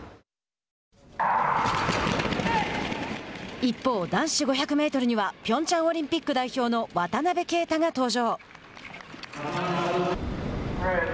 一方、男子５００メートルにはピョンチャンオリンピック代表の渡邊啓太が登場。